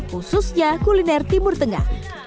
khususnya kuliner timur tengah